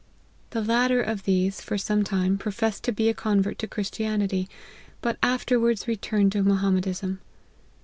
The latter of these, for some time, professed to be a convert to Christianity, but afterwards returned to Moham medism.